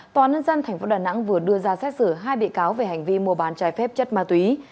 tòa nhân dân thành phố đà nẵng vừa đưa ra xét xử hai bị cáo về hành vi mua bán trái phép chất ma túy